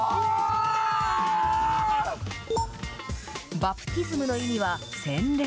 バプティズムの意味は洗礼。